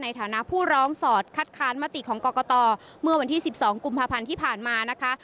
ในฐานะผู้ร้องสอดคัดค้านมติของกรกตเมื่อวันที่๑๒กุมภาพันธ์ที่ผ่านมานะคะ